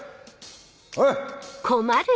おい！